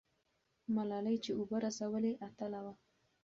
ملالۍ چې اوبه رسولې، اتله وه.